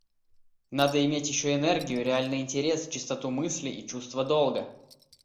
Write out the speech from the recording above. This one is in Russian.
Надо иметь ещё энергию, реальный интерес, чистоту мысли и чувство долга.